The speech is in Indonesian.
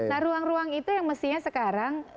nah ruang ruang itu yang mestinya sekarang